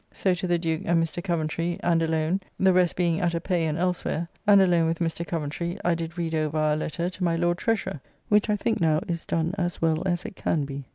So to the Duke and Mr. Coventry, and alone, the rest being at a Pay and elsewhere, and alone with Mr. Coventry I did read over our letter to my Lord Treasurer, which I think now is done as well as it can be.